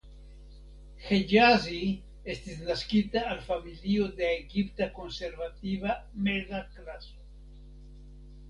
Ĥeĝazi estis naskita al familio de egipta konservativa meza klaso.